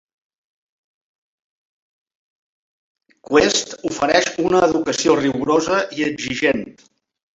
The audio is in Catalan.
Quest ofereix una educació rigorosa i exigent.